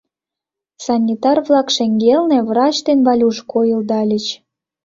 Санитар-влак шеҥгелне врач ден Валюш койылдальыч.